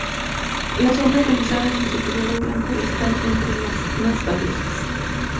Las obras realizadas en su período blanco están entre las mas valiosas.